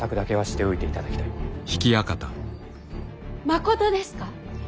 まことですか。